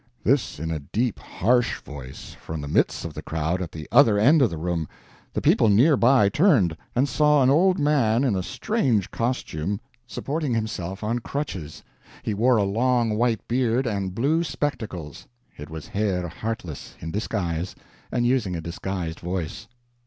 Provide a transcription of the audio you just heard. This, in a deep, harsh voice, from the midst of the crowd at the other end of the room. The people near by turned, and saw an old man, in a strange costume, supporting himself on crutches. He wore a long white beard, and blue spectacles. It was Herr Heartless, in disguise, and using a disguised voice.